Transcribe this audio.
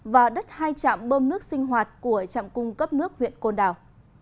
và đất hai trạm bơm nước sinh hoạt của trạm cung cấp nước huyện côn đảo